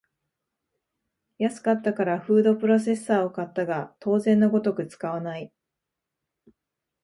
安かったからフードプロセッサーを買ったが当然のごとく使わない